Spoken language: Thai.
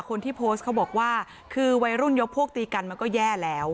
คนที่โพสต์เขาบอกว่าคือวัยรุ่นยกพวกตีกันมันก็แย่แล้ว